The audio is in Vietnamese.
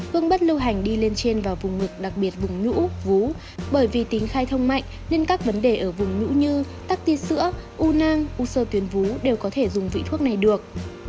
hương bất lưu hành đi lên trên vào vùng ngực đặc biệt vùng lũ vú bởi vì tính khai thông mạnh nên các vấn đề ở vùng nhũ như tắc ti sữa u nang u sơ tuyến vú đều có thể dùng vị thuốc này được